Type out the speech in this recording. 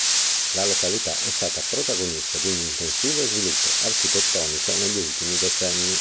La località è stata protagonista di un intensivo sviluppo architettonico negli ultimi decenni.